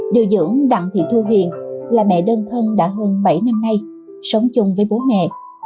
điều dưỡng đặng thị thu hiền là mẹ đơn thân đã hơn bảy năm nay sống chung với bố mẹ